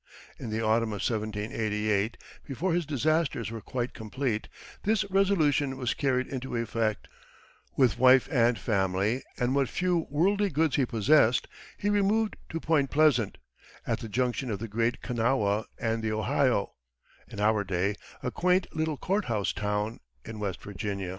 In the autumn of 1788, before his disasters were quite complete, this resolution was carried into effect; with wife and family, and what few worldly goods he possessed, he removed to Point Pleasant, at the junction of the Great Kanawha and the Ohio in our day a quaint little court house town in West Virginia.